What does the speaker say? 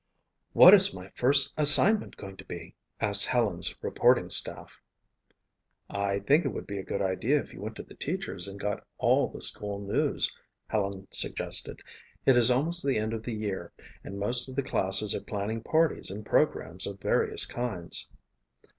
"What is my first assignment going to be?" asked Helen's reporting staff. "I think it would be a good idea if you went to the teachers and got all the school news," Helen suggested. "It is almost the end of the year and most of the classes are planning parties and programs of various kinds."